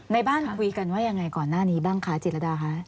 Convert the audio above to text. ในบ้านคุยกันว่ายังไงก่อนหน้านี้บ้างคะจิตรดาคะ